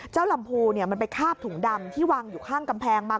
ลำพูมันไปคาบถุงดำที่วางอยู่ข้างกำแพงมา